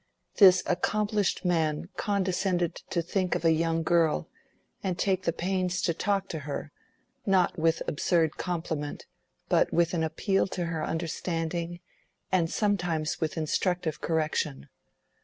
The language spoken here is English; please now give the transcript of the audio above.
This accomplished man condescended to think of a young girl, and take the pains to talk to her, not with absurd compliment, but with an appeal to her understanding, and sometimes with instructive correction.